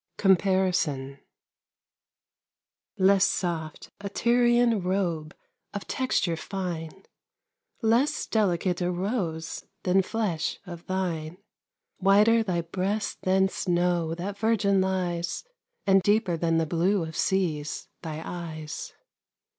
COMPARISON Less soft a Tyrian robe Of texture fine, Less delicate a rose Than flesh of thine. Whiter thy breast than snow That virgin lies, And deeper than the blue Of seas thy eyes.